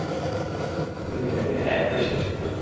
দুই দিনের এই মেলা, এরপরেই শেষ খেলা।